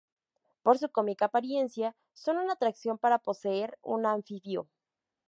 Por su cómica apariencia, son una atracción para poseer un anfibio.